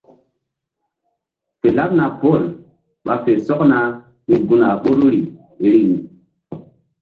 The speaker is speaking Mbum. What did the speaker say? Fe laɓna Pɔl ɓa fe sɔkna hi̧ gun a ɓoruri riŋ.